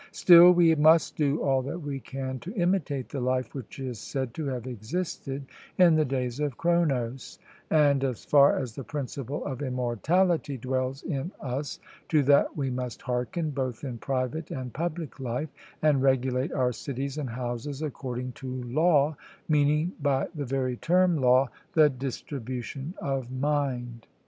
Still we must do all that we can to imitate the life which is said to have existed in the days of Cronos, and, as far as the principle of immortality dwells in us, to that we must hearken, both in private and public life, and regulate our cities and houses according to law, meaning by the very term 'law,' the distribution of mind.